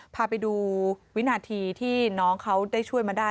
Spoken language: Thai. พาไปดูวินาทีที่น้องเขาได้ช่วยมาได้